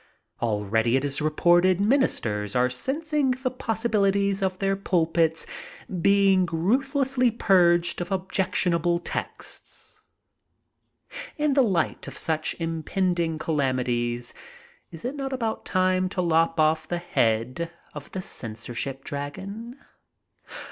Already it is repcMted ministers are sensing the possibility of their pulpits being ruthlessly purged of objectionaUe texts. In the light of such impending calami ties, is it not about time to 1<^ off the head of the censorship dragon?